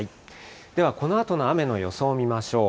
では、このあとの雨の予想を見ましょう。